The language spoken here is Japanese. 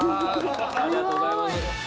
ありがとうございます。